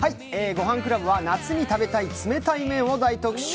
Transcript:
「ごはんクラブ」は夏に食べたい冷たい麺を大特集。